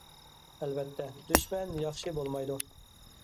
ئەلۋەتتە، دۈشمەن ياخشى بولمايدۇ.